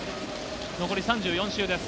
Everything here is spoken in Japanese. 残り３４周です。